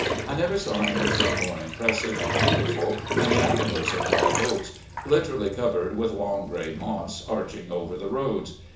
I never saw anything more impressive and beautiful than the avenues of live oaks, literally covered with long gray moss, arching over the roads.